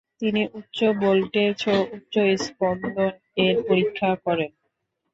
তিনি উচ্চ ভোল্টেজ ও উচ্চ স্পন্দন এর পরিক্ষা করেন।